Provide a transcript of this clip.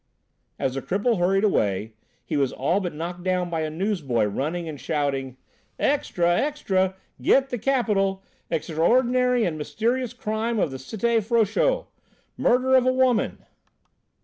As the cripple hurried away he was all but knocked down by a newsboy, running and shouting: "Extra! Extra! Get The Capital. Extraordinary and mysterious crime of the Cité Frochot. Murder of a woman."